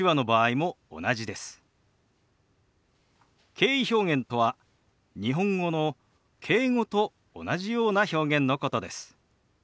敬意表現とは日本語の「敬語」と同じような表現のことです。